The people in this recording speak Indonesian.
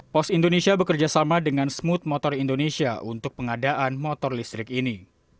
pos indonesia bekerjasama dengan smooth motor indonesia untuk pengadaan motor listrik ini